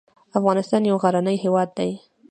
افغانستان یو غرنی هېواد دې .